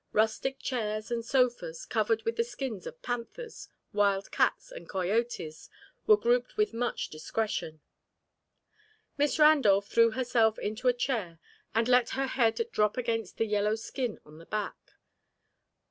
Rustic chairs and sofas, covered with the skins of panthers, wild cats, and coyotes, were grouped with much discretion. Miss Randolph threw herself into a chair and let her head drop against the yellow skin on the back.